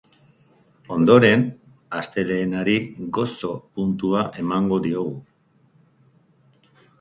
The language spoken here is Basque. Ondoren, astelehenari gozo puntua emango diogu.